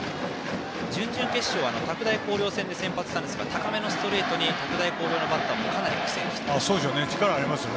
準々決勝は拓大紅陵戦で先発をしたんですが高めのストレートに拓大紅陵のバッターもかなり苦戦していました。